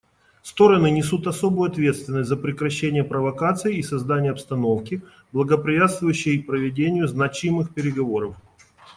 Стороны несут особую ответственность за прекращение провокаций и создание обстановки, благоприятствующей проведению значимых переговоров.